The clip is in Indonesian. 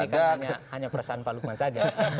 ini kan hanya perasaan pak lukman saja